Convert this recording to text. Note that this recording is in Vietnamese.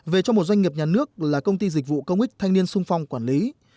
về cho một doanh nghiệp nhà nước là công ty dịch vụ công ích thanh niên sung phong quản lý